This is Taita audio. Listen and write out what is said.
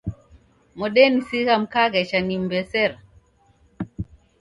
Modenisigha mkaghesha nimmbesera.